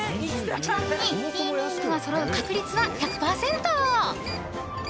ちなみに２２２がそろう確率は１００％。